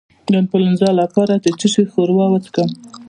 د انفلونزا لپاره د څه شي ښوروا وڅښم؟